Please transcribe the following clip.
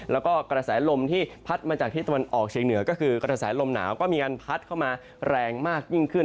แล้วก็กระแสลมที่พัดมาจากที่ตะวันออกเชียงเหนือก็คือกระแสลมหนาวก็มีการพัดเข้ามาแรงมากยิ่งขึ้น